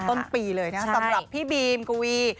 ต้นปีเลยนะสำหรับพี่บีมกวี